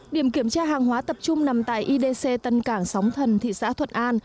điểm kiểm tra hàng hóa tập trung nằm tại idc tân cảng sóng thần thị xã thuận an